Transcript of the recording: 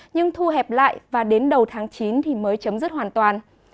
nhưng thu hẹp lại và đến đầu tháng chín mới chấm dứt hoàn toàn